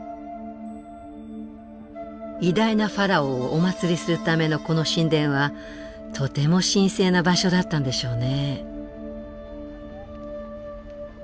偉大なファラオをお祀りするためのこの神殿はとても神聖な場所だったんでしょうね。